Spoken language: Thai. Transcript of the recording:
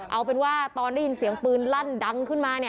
เอาเป็นว่าตอนได้ยินเสียงปืนลั่นดังขึ้นมา